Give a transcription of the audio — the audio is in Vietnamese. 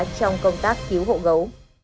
trong công tác cứu hộ gấu